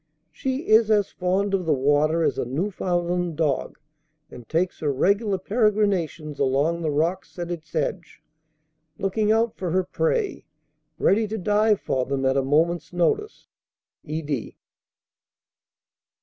She is as fond of the water as a Newfoundland dog, and takes her regular peregrinations along the rocks at its edge, looking out for her prey, ready to dive for them at a moment's notice." ED.